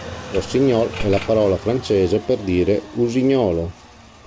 Rossignol è la parola francese per dire usignolo.